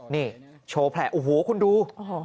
นี่โชว์แผลโอ้โหคุณดู